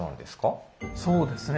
そうですね。